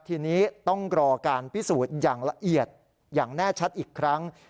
ทีนี้ต้องรอการพิสูจน์อย่างละเอียดอย่างแน่ชัดอีกครั้ง